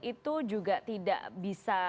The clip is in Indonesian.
itu juga tidak bisa